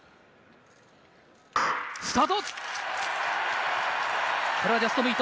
スタート。